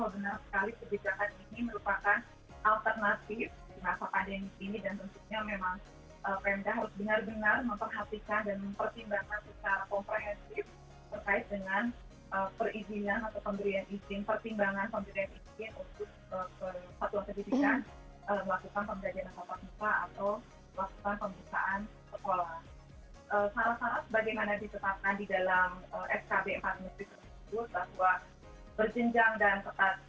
bagaimana disetakan di dalam skb empat menteri tersebut bahwa berjenjang dan ketat